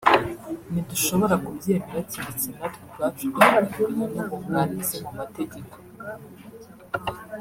” ntidushobora kubyemera keretse natwe ubwacu duhagarariwe n’abunganizi mu mategeko”